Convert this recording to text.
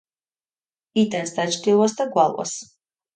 იტანს დაჩრდილვას და გვალვას.